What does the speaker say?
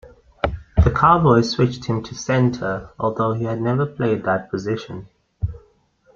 The Cowboys switched him to center, although he had never played that position.